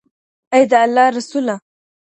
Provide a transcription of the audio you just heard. اې د الله رسوله